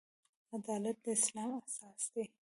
عدالت د اسلام اساس دی